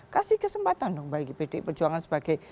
kasih kesempatan dong bagi pdi perjuangan sebagai